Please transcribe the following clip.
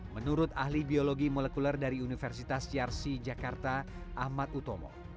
menurut ahli biologi molekuler dari universitas yarsi jakarta ahmad utomo